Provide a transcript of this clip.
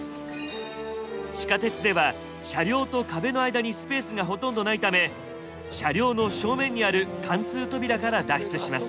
地下鉄では車両と壁の間にスペースがほとんどないため車両の正面にある貫通扉から脱出します。